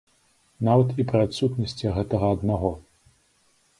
Нават і пры адсутнасці гэтага аднаго.